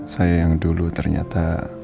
saya yang dulu ternyata